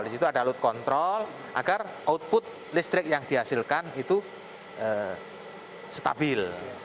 di situ ada load control agar output listrik yang dihasilkan itu stabil